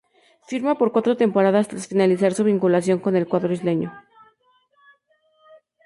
Firma por cuatro temporadas tras finalizar su vinculación con el cuadro isleño.